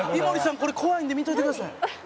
これ怖いんで見といてください」